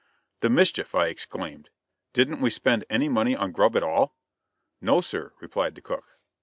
"The mischief!" I exclaimed; "didn't we spend any money on grub at all?" "No, sir," replied the cook.